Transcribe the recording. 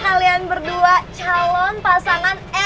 kalian berdua calon pasangan